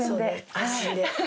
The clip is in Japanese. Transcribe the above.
安心で。